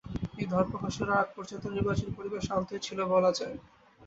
এই ধরপাকড় শুরু হওয়ার আগে পর্যন্ত নির্বাচনী পরিবেশ শান্তই ছিল বলা যায়।